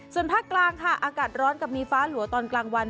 ส่วนภาคกลางค่ะอากาศร้อนกับมีฟ้าหลัวตอนกลางวัน